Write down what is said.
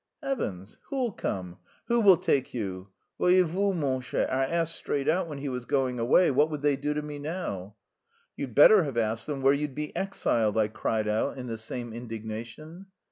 "Heavens! who'll come? Who will take you?" "Voyez vous, mon cher, I asked straight out when he was going away, what would they do to me now." "You'd better have asked them where you'd be exiled!" I cried out in the same indignation.